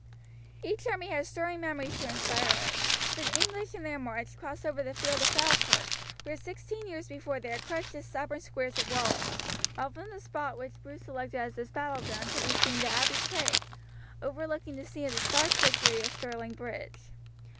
Each army had stirring memories to inspire it, for the English in their march crossed over the field of Falkirk, where sixteen years before they had crushed the stubborn squares of Wallace; while from the spot which Bruce selected as his battleground could be seen the Abbey Craig, overlooking the scene of the Scottish victory of Stirling Bridge.